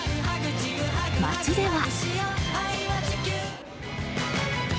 街では。